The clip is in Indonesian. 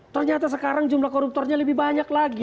ternyata sekarang jumlah koruptornya lebih banyak lagi